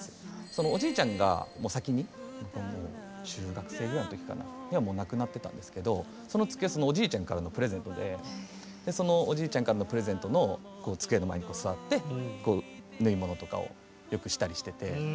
そのおじいちゃんが先に中学生ぐらいの時かなもう亡くなってたんですけどその机そのおじいちゃんからのプレゼントでそのおじいちゃんからのプレゼントの机の前にこう座って縫い物とかをよくしたりしてて。